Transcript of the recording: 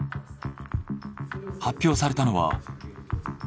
発表されたのは。